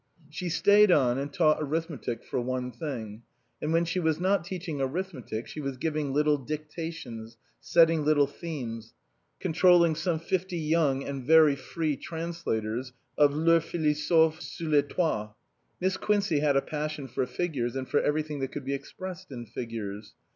She stayed on and taught arithmetic for one thing. And when she was not teaching arith metic, she was giving little dictations, setting little themes, controlling some fifty young and very free translators of Le Philosophe sous les Toits. Miss Quinoey had a passion for figures and for everything that could be expressed in figures.